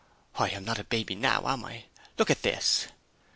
'Why, I'm not a baby now, am I? Here, look at this!'